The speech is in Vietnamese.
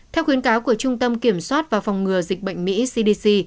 theo khuyến cáo của trung tâm kiểm soát và phòng ngừa dịch bệnh mỹ cdc